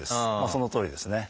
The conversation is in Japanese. そのとおりです。